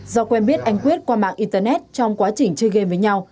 do quen biết anh quyết qua mạng internet trong quá trình chơi game với nhau